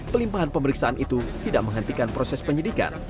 pelimpahan pemeriksaan itu tidak menghentikan proses penyidikan